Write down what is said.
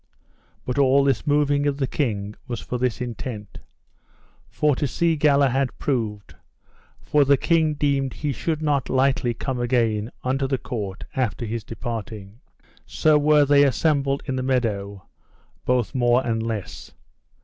But all this moving of the king was for this intent, for to see Galahad proved; for the king deemed he should not lightly come again unto the court after his departing. So were they assembled in the meadow, both more and less.